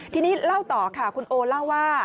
ทีนี้เล่าต่อค่ะคุณโอเล่าว่า